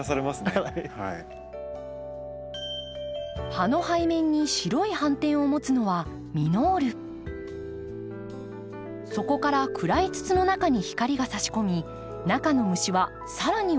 葉の背面に白い斑点を持つのはそこから暗い筒の中に光がさし込み中の虫は更に奥に入ってしまいます。